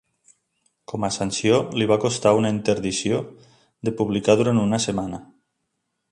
Com a sanció li va costar una interdicció de publicar durant una setmana.